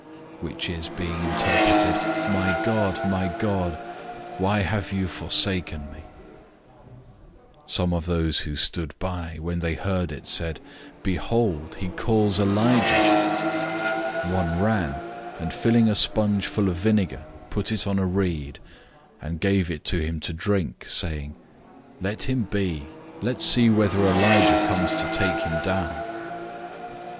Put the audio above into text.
which is, being interpreted, "My God, my God, why have you forsaken me?"{Psalm 22:1} 015:035 Some of those who stood by, when they heard it, said, "Behold, he is calling Elijah." 015:036 One ran, and filling a sponge full of vinegar, put it on a reed, and gave it to him to drink, saying, "Let him be. Let's see whether Elijah comes to take him down."